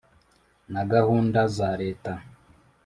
na gahunda za leta